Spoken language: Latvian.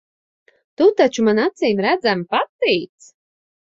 Tu taču man acīmredzami patīc.